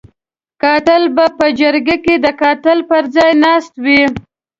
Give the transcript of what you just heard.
قاتل به په جرګه کې د قاتل پر ځای ناست وو.